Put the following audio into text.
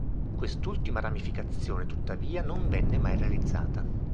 Quest'ultima ramificazione, tuttavia, non venne mai realizzata.